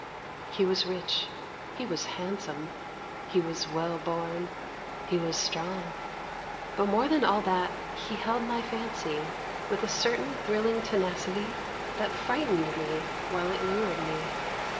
He was rich, he was handsome, he was well born, he was strong, but more than all that he held my fancy with a certain thrilling tenacity that frightened me while it lured me.